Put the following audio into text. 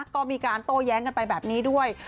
ก็มีการโต้แย้งกันไปแบบนี้ด้วย